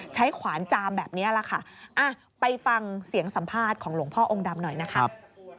ขวานจามแบบนี้แหละค่ะไปฟังเสียงสัมภาษณ์ของหลวงพ่อองค์ดำหน่อยนะครับ